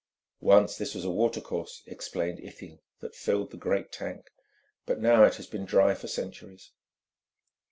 "Once it was a watercourse," explained Ithiel, "that filled the great tank, but now it has been dry for centuries."